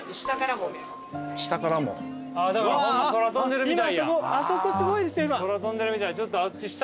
ホンマ空飛んでるみたい。